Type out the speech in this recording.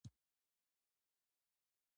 د کمپیوټر ساینس په برخه کي ځوانان نوښتونه کوي.